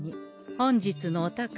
本日のお宝